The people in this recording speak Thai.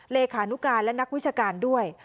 เลขานุการและนักวิชาการด้วย